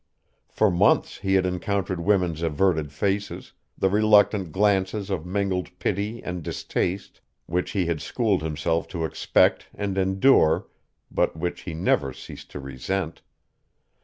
For months he had encountered women's averted faces, the reluctant glances of mingled pity and distaste which he had schooled himself to expect and endure but which he never ceased to resent.